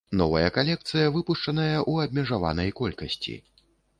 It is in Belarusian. Новая калекцыя выпушчаная ў абмежаванай колькасці.